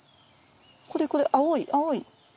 これこれ青い青い。